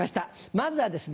まずはですね